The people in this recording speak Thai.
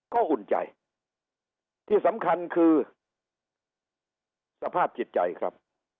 ก็อุ่นใจที่สำคัญคือสภาพจิตใจครับ